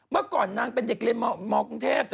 เมื่อก่อนนางเป็นเด็กเรียนมกรุงเทพ